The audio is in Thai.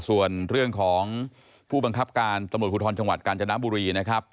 ส่วนเรื่องของผู้บังคับการตำรวจภูทรจังหวัดกาญจนบุรีนะครับ